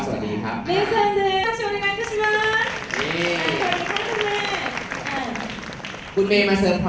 สวัสดีครับของเจเป็นแบรนด์